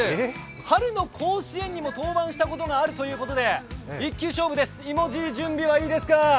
春の甲子園にも登板したことがあるということで１球勝負です、芋爺、準備はいいですか。